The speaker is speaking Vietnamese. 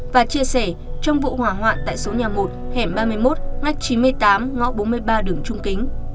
và chia sẻ trong vụ hỏa hoạn tại số nhà một hẻm ba mươi một ngách chín mươi tám ngõ bốn mươi ba đường trung kính